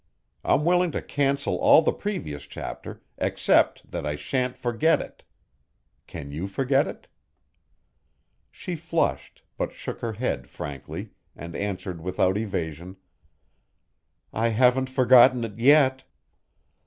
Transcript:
I'm willing to cancel all the previous chapter, except that I sha'n't forget it.... Can you forget it?" She flushed, but shook her head frankly, and answered without evasion, "I haven't forgotten it yet."